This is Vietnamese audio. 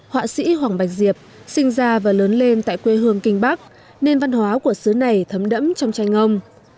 họa sĩ hoàng bạch diệp sinh ra và lớn lên tại quê hương kinh bắc nên văn hóa của xứ này thấm đẫm trong tranh ông